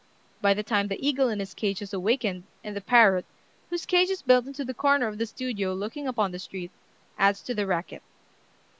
By this time the eagle in his cage has awakened, and the parrot, whose cage is built into the corner of the studio looking upon the street, adds to the racket.